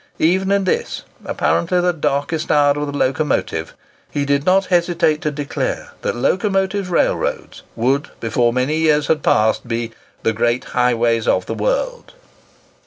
Even in this, apparently the darkest hour of the locomotive, he did not hesitate to declare that locomotive railroads would, before many years had passed, be "the great highways of the world."